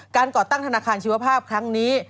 ก่อตั้งธนาคารชีวภาพครั้งนี้